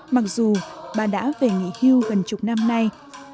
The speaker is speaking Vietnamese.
mặc dù bà đã về nghỉ hưu gần chục năm nay